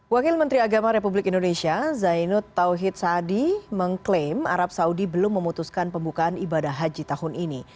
wakil menteri agama republik indonesia zainud tauhid saadi mengklaim arab saudi belum memutuskan pembukaan ibadah haji tahun ini